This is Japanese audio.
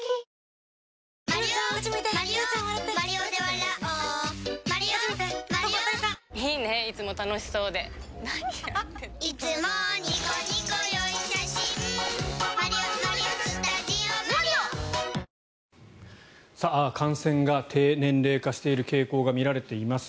イギリス株の時も感染が低年齢化している傾向が見られています。